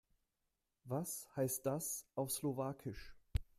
Was heißt das auf Slowakisch?